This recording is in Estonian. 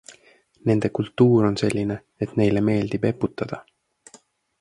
Nende kultuur on selline, et neile meeldib eputada.